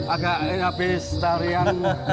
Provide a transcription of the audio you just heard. agak habis tarian